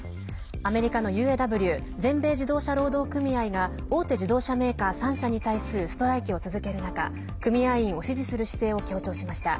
アメリカのＵＡＷ＝全米自動車労働組合が大手自動車メーカー３社に対するストライキを続ける中組合員を支持する姿勢を強調しました。